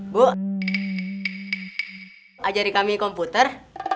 bu ajari kami komputer